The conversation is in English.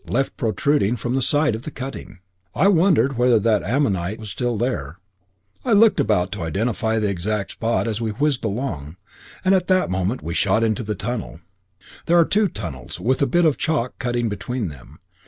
left protruding from the side of the cutting. I wondered whether that ammonite was still there; I looked about to identify the exact spot as we whizzed along; and at that moment we shot into the tunnel. There are two tunnels, with a bit of chalk cutting between them.